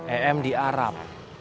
em di arab